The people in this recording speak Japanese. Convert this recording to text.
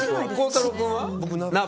孝太郎君は、鍋？